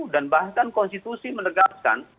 dan bahkan konstitusi menegaskan